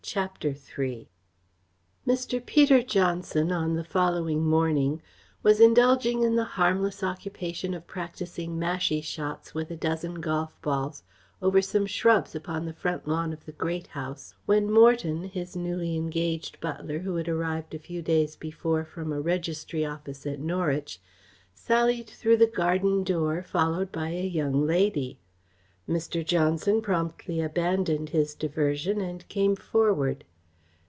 CHAPTER III Mr. Peter Johnson, on the following morning, was indulging in the harmless occupation of practising mashie shots with a dozen golf balls over some shrubs upon the front lawn of the Great House, when Morton, his newly engaged butler who had arrived a few days before from a registry office at Norwich, sallied through the garden door, followed by a young lady. Mr. Johnson promptly abandoned his diversion and came forward.